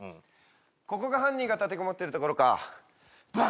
ここが犯人が立てこもってるところかバン！